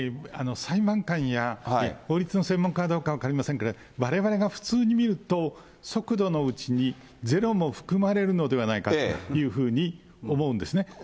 裁判官や法律の専門家かどうか分かりませんけれども、われわれが普通に見ると、速度のうちにゼロも含まれるのではないかというふうに思うんですね。